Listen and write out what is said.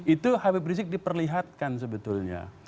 itu habib rizik diperlihatkan sebetulnya